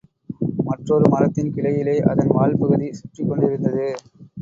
மற்றொரு மரத்தின் கிளையிலே அதன் வால் பகுதி சுற்றிக் கொண்டிருந்தது.